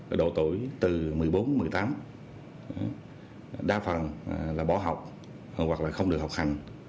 ở độ tuổi từ một mươi bốn một mươi tám đa phần là bỏ học hoặc là không được học hành